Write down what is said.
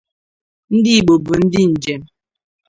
Ndi Ìgbò bu ndi njem.